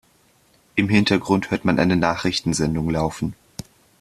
Im Hintergrund hört man eine Nachrichtensendung laufen.